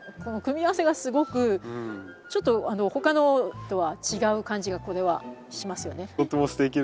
組み合わせがすごくちょっと他のとは違う感じがこれはしますよね。